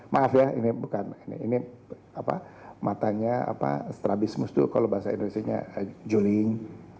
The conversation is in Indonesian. maaf ya ini bukan ini matanya strabismus itu kalau bahasa indonesia juniing